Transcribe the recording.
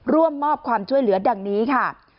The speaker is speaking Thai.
ร่วมมอบความช่วยเหลือดังนี้ค่ะ